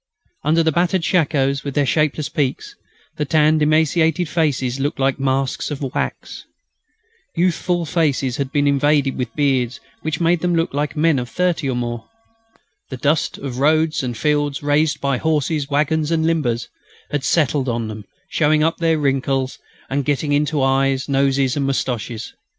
Under the battered shakoes with their shapeless peaks, the tanned and emaciated faces looked like masks of wax. Youthful faces had been invaded by beards which made them look like those of men of thirty or more. The dust of roads and fields, raised by horses, waggons, and limbers, had settled on them, showing up their wrinkles and getting into eyes, noses, and moustaches.